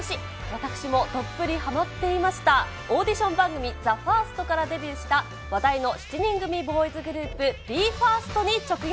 私もどっぷりはまっていました、オーディション番組、ＴＨＥＦＩＲＳＴからデビューした、話題の７人組ボーイズグループ、ＢＥＦＩＲＳＴに直撃。